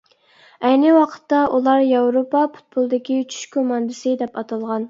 ئەينى ۋاقىتتا ئۇلار ياۋروپا پۇتبولىدىكى «چۈش كوماندىسى» دەپ ئاتالغان.